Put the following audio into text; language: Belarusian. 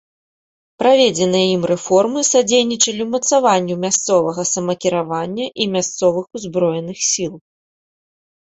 Праведзеныя ім рэформы садзейнічалі ўмацаванню мясцовага самакіравання і мясцовых узброеных сіл.